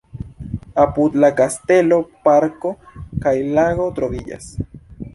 Apud la kastelo parko kaj lago troviĝas.